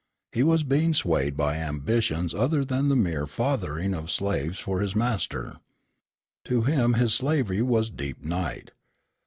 He was being swayed by ambitions other than the mere fathering of slaves for his master. To him his slavery was deep night.